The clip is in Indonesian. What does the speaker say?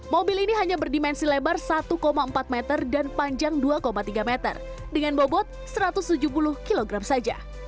mobil ini hanya berdimensi lebar satu empat meter dan panjang dua tiga meter dengan bobot satu ratus tujuh puluh kg saja